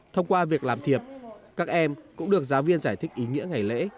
thông qua việc làm thiệp các em cũng được giáo viên giải thích ý nghĩa ngày lễ